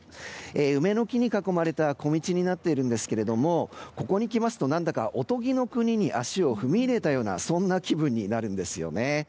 梅の木に囲まれた小道になっているんですがここに来ますと何だかおとぎの国に足を踏み入れたような気分になるんですよね。